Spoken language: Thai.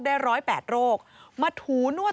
๑๐๘โรคมาถูนวด